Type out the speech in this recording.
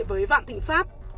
với vạn thịnh pháp